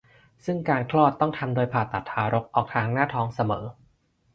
ซึ่งการคลอดต้องทำโดยผ่าตัดทารกออกทางหน้าท้องเสมอ